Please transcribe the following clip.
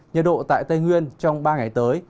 nhiệt độ tại tây nguyên trong ba ngày tới